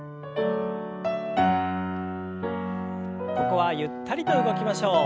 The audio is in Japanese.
ここはゆったりと動きましょう。